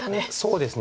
そうですね。